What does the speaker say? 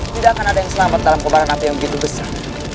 tidak akan ada yang selamat dalam kobaran api yang begitu besar